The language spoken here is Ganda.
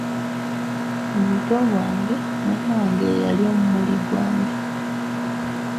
Mu buto bwange, maama wange ye yali omumuli gwange.